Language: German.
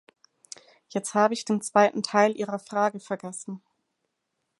Jetzt habe ich den zweiten Teil Ihrer Frage vergessen.